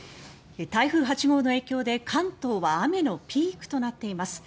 台風８号の影響で関東は雨のピークとなっています。